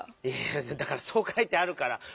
いやだからそうかいてあるから。